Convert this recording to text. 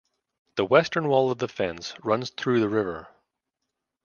The western wall of the fence runs through the river.